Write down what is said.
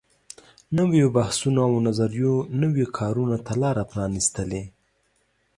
نويو بحثونو او نظریاتو نویو کارونو ته لارې پرانیستلې.